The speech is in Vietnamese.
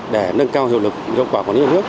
để nâng cao hiệu lực hiệu quả của nhà nước